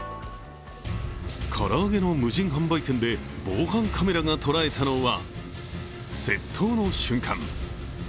唐揚げの無人販売店で防犯カメラが捉えたのは窃盗の瞬間。